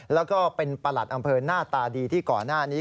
แล้วก็เป็นประหลัดอำเภอหน้าตาดีที่ก่อนหน้านี้